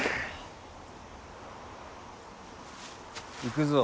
行くぞ。